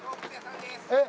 えっ？